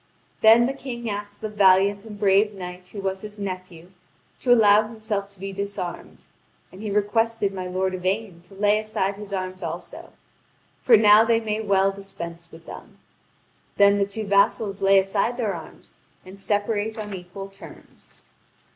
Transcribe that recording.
Then the King asked the valiant and brave knight who was his nephew to allow himself to be disarmed; and he requested my lord Yvain to lay aside his arms also; for now they may well dispense with them. Then the two vassals lay aside their arms and separate on equal terms.